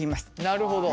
なるほど。